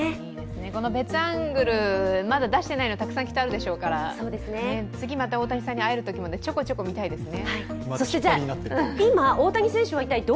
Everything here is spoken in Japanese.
この別アングル、まだ出していないの、たくさんあるでしょうから次また大谷さんに会えるときまでちょこちょこ見たいですね。